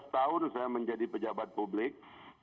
lima belas tahun saya menjadi pejabat publik